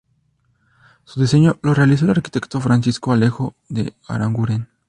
Su diseño lo realizó el arquitecto Francisco Alejo de Aranguren.